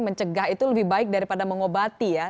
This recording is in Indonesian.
mencegah itu lebih baik daripada mengobati ya